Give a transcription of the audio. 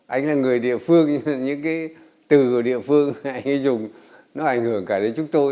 anh là người địa phương nhưng những cái từ địa phương anh ấy dùng nó ảnh hưởng cả đến chúng tôi